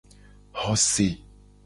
Xo se.